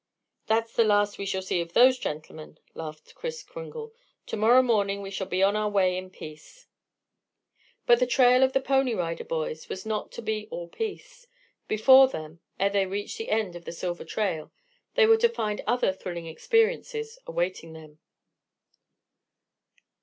"That's the last, we shall see of those gentlemen," laughed Kris Kringle. "To morrow morning we shall be on our way in peace." But the trail of the Pony Rider Boys was not to be all peace. Before them ere they reached the end of the Silver Trail they were to find other thrilling experiences awaiting them.